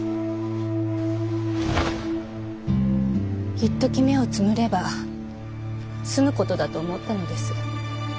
いっとき目をつむれば済むことだと思ったのです。